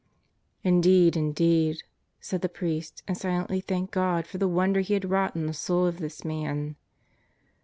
"Indeed! Indeed!" said the priest and silently thanked God for the wonder He had wrought in the soul of this man.